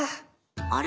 あれ？